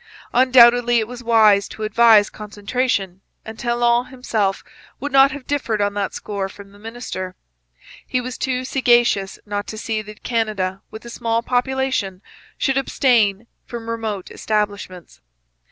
Undoubtedly it was wise to advise concentration, and Talon himself would not have differed on that score from the minister. He was too sagacious not to see that Canada with a small population should abstain from remote establishments.